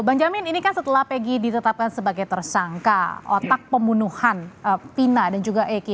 bang jamin ini kan setelah pegi ditetapkan sebagai tersangka otak pembunuhan pina dan juga eki